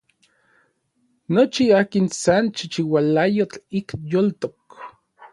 Nochi akin san chichiualayotl ik yoltok.